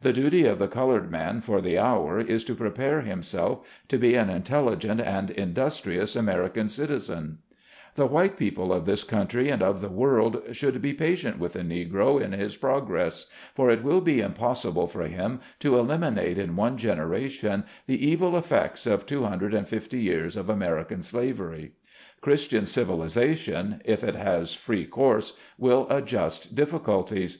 The duty of the colored man for the hour is to prepare himself to be an intelligent and industrious American citizen. 140 SLAVE CABIN TO PULPIT. The white people of this country and of the world should be patient with the Negro in his progress, for it will be impossible for him to eliminate in one gen eration the evil effects of two hundred and fifty years of American slavery. Christian civilization, if it has free course, will adjust difficulties.